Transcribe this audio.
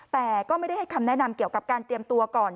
แต่ก็ไม่ได้ให้คำแนะนำเกี่ยวกับการเตรียมตัวก่อน